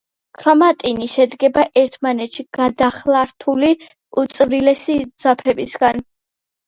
ქრომატინი შედგება ერთმანეთში გადახლართული უწვრილესი ძაფებისაგან.